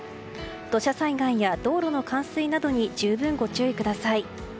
土砂災害や道路の冠水などに十分ご注意ください。